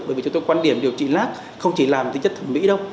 bởi vì chúng tôi quan điểm điều trị lác không chỉ làm tính chất thẩm mỹ đâu